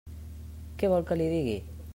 Què vol que li digui?